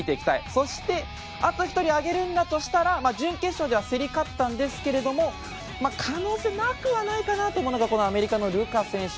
そしてあと１人を挙げるとすれば準決勝では競り勝ったんですが可能性はなくはないかなと思うのがアメリカのルカ選手。